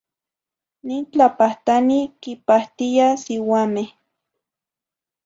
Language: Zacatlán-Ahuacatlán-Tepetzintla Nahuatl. Nin tlapahtani quipahtiya siuameh.